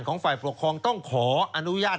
ฝ่ายปกครองต้องขออนุญาต